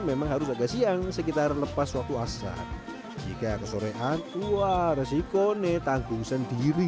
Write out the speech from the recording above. memang harus agak siang sekitar lepas waktu asa jika kesorean wah resiko nih tanggung sendiri